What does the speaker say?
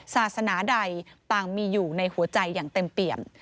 ศาสนาใดต่างมีอยู่ในหัวใจอย่างเต็มเปี่ยม